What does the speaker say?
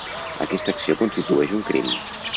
Aquesta acció constitueix un crim.